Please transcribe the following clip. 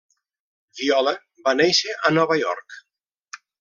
Viola va néixer a Nova York.